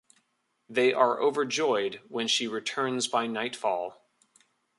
They are overjoyed when she returns by nightfall.